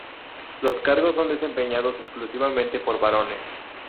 Los cargos son desempeñados exclusivamente por varones.